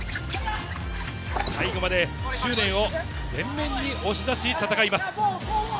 最後まで執念を前面に押し出し、戦います。